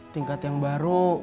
tingkat yang baru